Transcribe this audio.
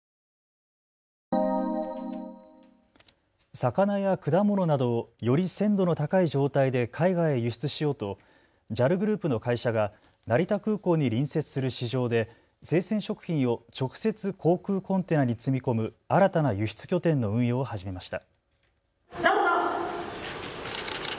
魚や果物などをより鮮度の高い状態で海外へ輸出しようとＪＡＬグループの会社が成田空港に隣接する市場で生鮮食品を直接、航空コンテナに積み込む新たな輸出拠点の運用を始めました。